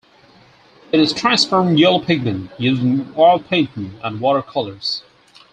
It is transparent yellow pigment used in oil painting and watercolors.